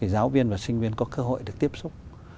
giáo viên và sinh viên có cơ hội được tiếp xúc